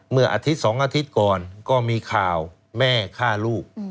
เมื่ออาทิตย์๒อาทิตย์ก่อนก็มีข่าวแม่ฆ่าลูก